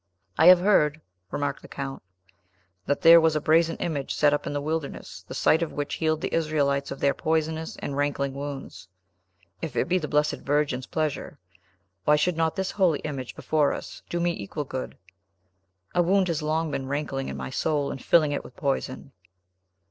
"I have heard," remarked the Count, "that there was a brazen image set up in the wilderness, the sight of which healed the Israelites of their poisonous and rankling wounds. If it be the Blessed Virgin's pleasure, why should not this holy image before us do me equal good? A wound has long been rankling in my soul, and filling it with poison."